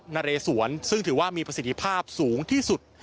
นเรสวนซึ่งถือว่ามีประสิทธิภาพสูงที่สุด